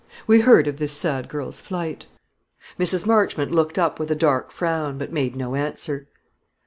We heard of this sad girl's flight." Mrs. Marchmont looked up with a dark frown, but made no answer.